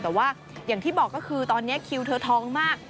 แต่ว่าอย่างที่บอกก็คือตอนนี้คิวเธอท้องมาก